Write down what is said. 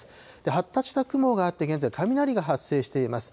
発達した雲があって、現在、雷が発生しています。